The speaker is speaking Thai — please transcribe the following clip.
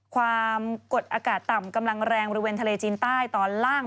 ความกดอากาศต่ำกำลังแรงบริเวณทะเลจีนใต้ตอนล่าง